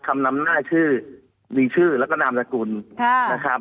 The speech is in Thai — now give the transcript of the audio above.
นำหน้าชื่อมีชื่อแล้วก็นามสกุลนะครับ